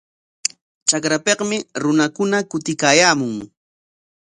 Trakrapikmi runakuna kutiykaayaamun.